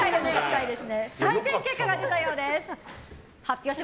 採点結果が出たようです。